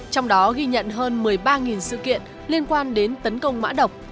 trong đó ghi nhận hơn một mươi ba sự kiện liên quan đến tấn công mã độc